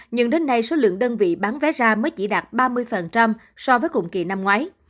nhưng đến nay số lượng đơn vị bán vé ra mới chỉ đạt ba mươi so với cùng kỳ năm ngoái